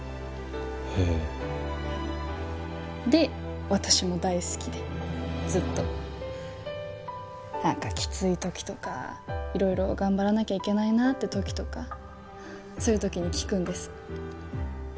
へえで私も大好きでずっと何かきつい時とか色々頑張らなきゃいけないなって時とかそういう時に聴くんです